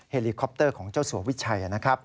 เฮลิคอปเตอร์ของเจ้าสัววิชัยนะครับ